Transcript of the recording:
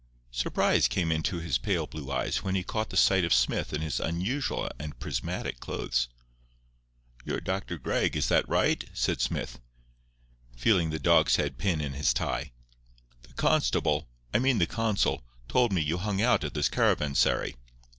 Surprise came into his pale blue eyes when he caught sight of Smith in his unusual and prismatic clothes. "You're Dr. Gregg—is that right?" said Smith, feeling the dog's head pin in his tie. "The constable—I mean the consul, told me you hung out at this caravansary.